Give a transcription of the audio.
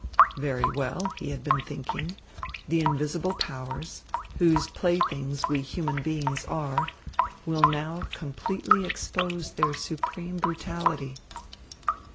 "Very well," he had been thinking, "the invisible powers, whose playthings we human beings are, will now completely expose their supreme brutality."